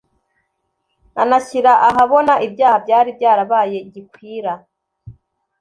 anashyira ahabona ibyaha byari byarabaye gikwira.